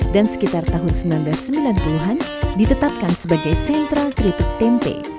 dan sekitar tahun seribu sembilan ratus sembilan puluh an ditetapkan sebagai sentral keripik tempe